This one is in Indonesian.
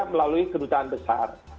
melalui kedutaan besar